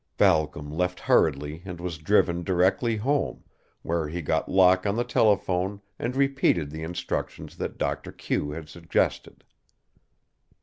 Balcom left hurriedly and was driven directly home, where he got Locke on the telephone and repeated the instructions that Doctor Q had suggested.